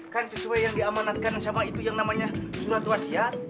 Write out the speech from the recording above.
kan sesuai yang diamanatkan sama itu yang namanya surat wasiat